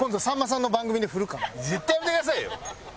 絶対やめてくださいよ！